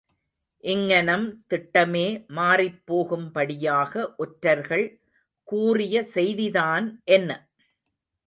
இங்ஙனம் திட்டமே மாறிப் போகும்படியாக ஒற்றர்கள் கூறிய செய்திதான் என்ன?